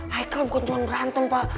michael bukan cuma berantem pak